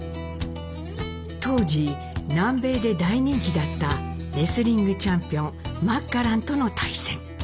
当時南米で大人気だったレスリングチャンピオンマッカランとの対戦。